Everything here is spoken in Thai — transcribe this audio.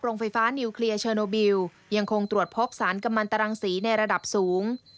ไฟฟ้านิวเคลียร์เชอร์โนบิลยังคงตรวจพบสารกำลังตรังสีในระดับสูง